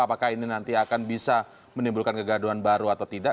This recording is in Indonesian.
apakah ini nanti akan bisa menimbulkan kegaduhan baru atau tidak